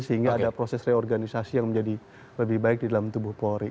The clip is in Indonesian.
sehingga ada proses reorganisasi yang menjadi lebih baik di dalam tubuh polri